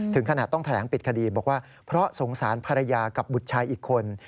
ถึงขนาดต้องแถลงปิดคดีบอกว่าเพราะสงสารภรรยากับบุตรชายอีกคน